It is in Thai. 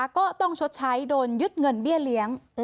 ก็ต้องชดใช้โดนยึดเงินเบี้ยเลี้ยง